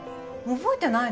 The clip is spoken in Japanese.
覚えてないの？